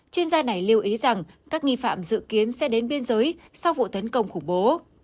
chuyên gia này lưu ý rằng các nghi phạm dự kiến sẽ đến biên giới sau vụ tấn công khủng bố